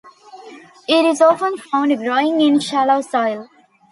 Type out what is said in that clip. It is often found growing in shallow soils.